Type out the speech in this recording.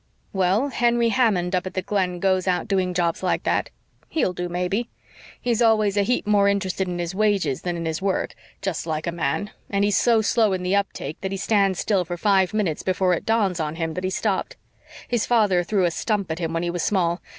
"Well, Henry Hammond up at the Glen goes out doing jobs like that. He'll do, maybe. He's always a heap more interested in his wages than in his work, just like a man, and he's so slow in the uptake that he stands still for five minutes before it dawns on him that he's stopped. His father threw a stump at him when he was small.